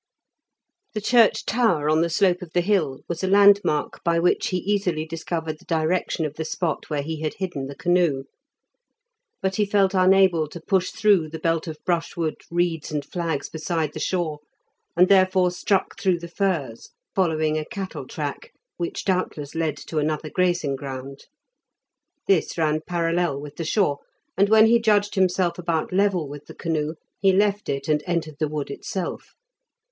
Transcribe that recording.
The church tower on the slope of the hill was a landmark by which he easily discovered the direction of the spot where he had hidden the canoe. But he felt unable to push through the belt of brushwood, reeds, and flags beside the shore, and therefore struck through the firs, following a cattle track, which doubtless led to another grazing ground. This ran parallel with the shore, and when he judged himself about level with the canoe he left it, and entered the wood itself.